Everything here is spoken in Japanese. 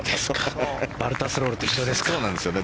バルタスロールと一緒ですね。